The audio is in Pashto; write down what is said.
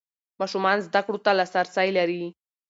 ماشومان زده کړو ته لاسرسی لري.